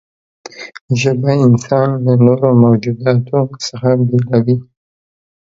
ژبه انسان له نورو موجوداتو څخه بېلوي.